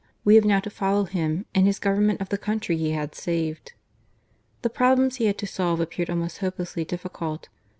We have now to follow him in his government of the country he had saved. The problems he had to solve appeared almost hopelessly difficult.